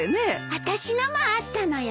あたしのもあったのよ。